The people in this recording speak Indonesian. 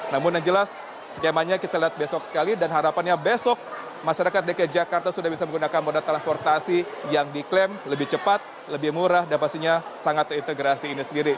namun yang jelas skemanya kita lihat besok sekali dan harapannya besok masyarakat dki jakarta sudah bisa menggunakan moda transportasi yang diklaim lebih cepat lebih murah dan pastinya sangat terintegrasi ini sendiri